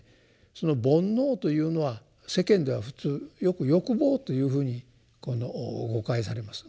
その煩悩というのは世間では普通よく欲望というふうに誤解されます。